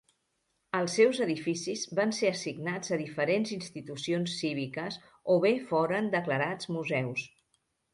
Els seus edificis van ser assignats a diferents institucions cíviques o bé foren declarats museus.